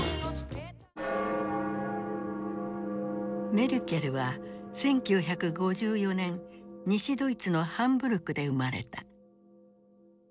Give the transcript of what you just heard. メルケルは１９５４年西ドイツのハンブルクで生まれた。